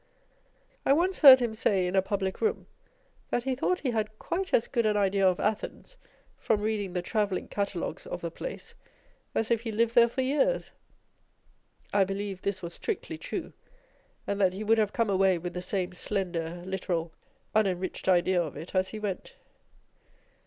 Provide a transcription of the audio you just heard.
I once heard him say in a public room, that he thought he had quite as good an idea of Athens from reading the Travelling Catalogues of the place, as if he lived there for years. I believe this was strictly true, and that he would have come away with the same slender? literal, unenriched idea of it as he went.